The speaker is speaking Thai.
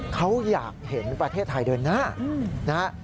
เขาอยากเห็นประเทศไทยเดินหน้านะฮะ